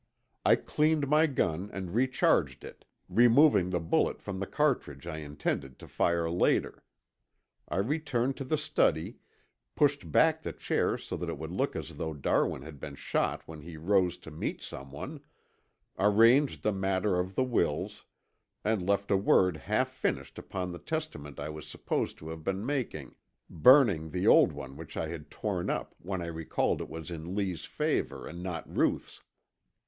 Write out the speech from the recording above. I cleaned my gun, and recharged it, removing the bullet from the cartridge I intended to fire later. I returned to the study, pushed back the chair so that it would look as though Darwin had been shot when he rose to meet someone, arranged the matter of the wills, and left a word half finished upon the testament I was supposed to have been making, burning the old one which I had torn up when I recalled it was in Lee's favor and not Ruth's.